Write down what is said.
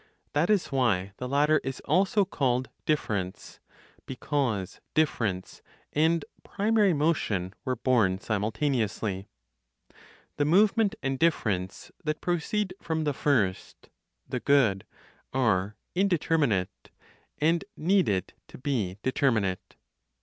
That is why the latter is also called difference, because difference and primary motion were born simultaneously. The movement and difference, that proceed from the First (the Good), are indeterminate, and need it, to be determinate.